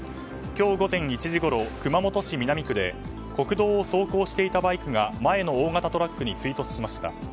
今日午前１時ごろ、熊本市南区で国道を走行していたバイクが前の大型トラックに追突しました。